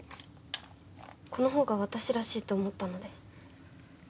この方が私らしいと思ったので。